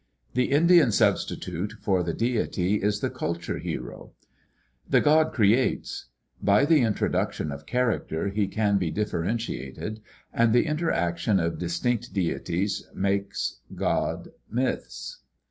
The Indian substitute for the deity is the culture hero. The god creates; by the introduction of character he can be differ entiated, and the interaction of distinct deities makes god myths.